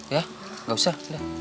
ya gak usah